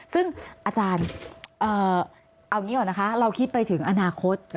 ซึ่งอาจารย์เอาอย่างนี้ก่อนนะคะเราคิดไปถึงอนาคต